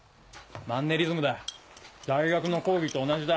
マンネリズムだ大学の講義と同じだ。